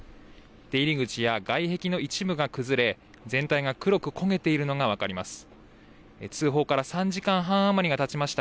出入り口や外壁の一部が崩れ、全体が黒く焦げているのが分かります。